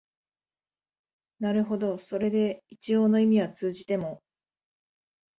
なるほどそれで一応の意味は通じても、